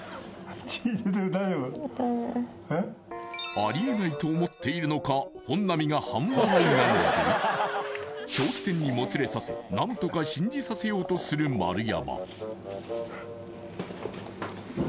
あり得ないと思っているのか本並が半笑いなので長期戦にもつれさせ何とか信じさせようとする丸山